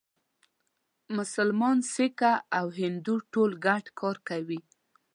مسلمان، سیکه او هندو ټول ګډ کار سره کوي.